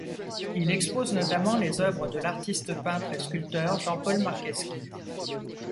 Il y expose notamment les œuvres de l'artiste peintre et sculpteur Jean-Paul Marcheschi.